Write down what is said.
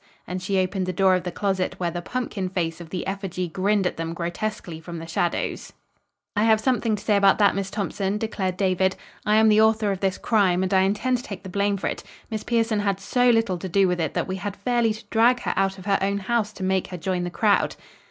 and she opened the door of the closet where the pumpkin face of the effigy grinned at them grotesquely from the shadows. "I have something to say about that, Miss Thompson," declared David. "I am the author of this 'crime' and I intend to take the blame for it. Miss Pierson had so little to do with it that we had fairly to drag her out of her own house to make her join the crowd."